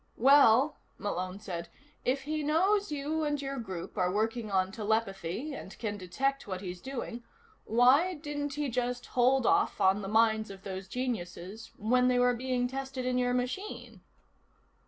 "Well," Malone said, "if he knows you and your group are working on telepathy and can detect what he's doing, why didn't he just hold off on the minds of those geniuses when they were being tested in your machine?"